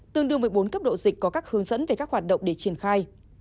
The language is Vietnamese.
tương đương với bốn cấp độ dịch có các hướng dẫn về các hoạt động để triển khai